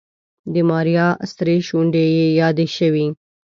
د ماريا سرې شونډې يې يادې شوې.